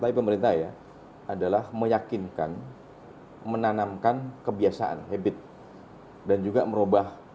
tapi pemerintah ya adalah meyakinkan menanamkan kebiasaan habit dan juga merubah